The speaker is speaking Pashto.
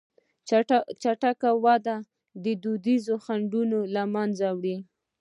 چټکه وده دودیز خنډونه له منځه وړي.